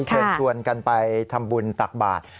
เชิญชวนกันไปทำบุญตักบาท